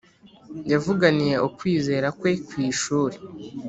Yavuganiye ukwizera kwe ku ishuri